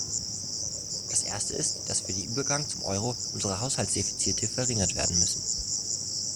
Der erste ist, dass für den Übergang zum Euro unsere Haushaltsdefizite verringert werden müssen.